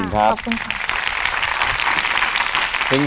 ขอบคุณค่ะ